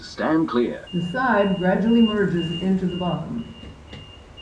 The side gradually merges into the bottom.